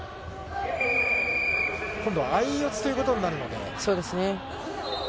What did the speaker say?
今度は相打ちということになります。